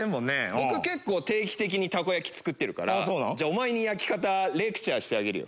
僕結構定期的にたこ焼き作ってるからお前に焼き方レクチャーしてあげるよ。